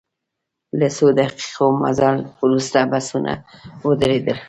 له څو دقیقو مزل وروسته بسونه ودرېدل.